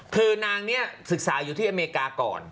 คือนางนี้ศึกษาอยู่ที่อเมริกาก่อน